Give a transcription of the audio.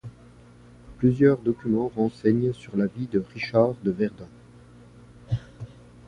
Plusieurs documents renseignent sur la vie de Richard de Verdun.